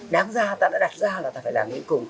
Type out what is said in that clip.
đáng ra ta đã đặt ra là ta phải làm đến cùng